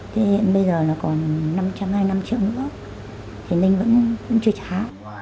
thế hiện bây giờ là còn năm trăm hai mươi năm triệu nữa thì linh vẫn chưa trả